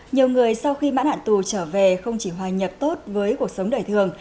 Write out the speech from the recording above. nhiều người sau khi mãn hạn tù trở về không chỉ hòa nhập tốt với cuộc sống đời thường